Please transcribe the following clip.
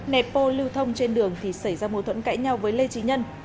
nẹp bô lưu thông trên đường thì xảy ra mối thuẫn cãi nhau với lê trí nhân